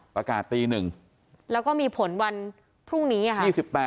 ประกาศตี๑แล้วก็มีผลวันพรุ่งนี้ค่ะ